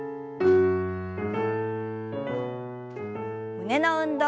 胸の運動。